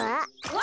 「わ！